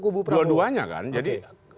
kubu dua duanya kan jadi